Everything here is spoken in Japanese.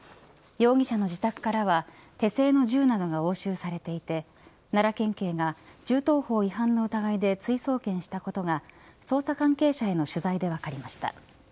容疑者の自宅からは手製の銃などが押収されていて奈良県警が銃刀法違反の疑いで追送検したことが捜査関係者への取材で分かりました。